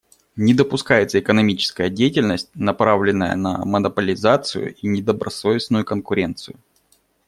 Не допускается экономическая деятельность, направленная на монополизацию и недобросовестную конкуренцию.